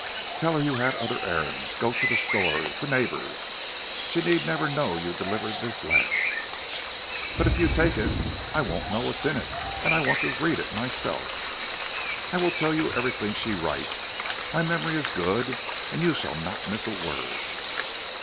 "Tell her you had other errands. Go to the stores the neighbors. She need never know you delivered this last." "But if you take it I won't know what is in it, and I want to read it myself." "I will tell you everything she writes. My memory is good, and you shall not miss a word."